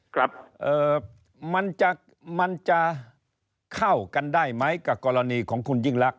ครับมันจะมันจะเข้ากันได้ไหมกับกรณีของคุณยิ่งลักษ